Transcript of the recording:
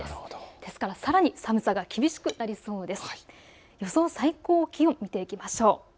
ですからさらに寒さが厳しくなりそうです。